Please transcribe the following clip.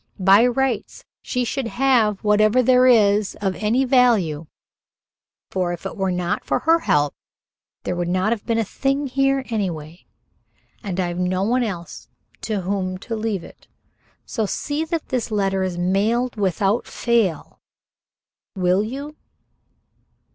By rights she should have whatever there is here of any value, for, if it were not for her help, there would not have been a thing here anyway, and I've no one else to whom to leave it so see that this letter is mailed without fail, will you?"